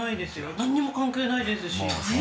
何にも関係ないですし。